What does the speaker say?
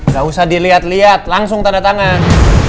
gak usah dilihat lihat langsung tanda tangan